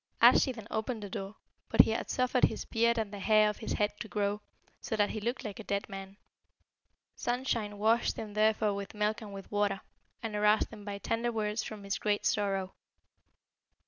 "Arschi then opened the door, but he had suffered his beard and the hair of his head to grow, so that he looked like a dead man. Sunshine washed him therefore with milk and with water, and aroused him by tender words from his great sorrow.